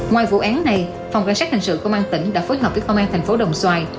ngoài vụ án này phòng cảnh sát hình sự công an tỉnh đã phối hợp với công an thành phố đồng xoài